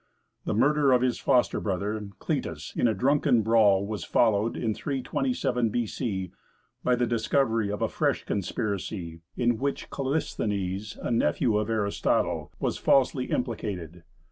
The murder of his foster brother, Clitus, in a drunken brawl, was followed, in 327 B.C., by the discovery of a fresh conspiracy, in which Callisthenes, a nephew of Aristotle, was falsely implicated.